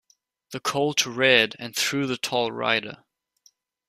The colt reared and threw the tall rider.